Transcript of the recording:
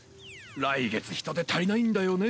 来月人手足りないんだよね。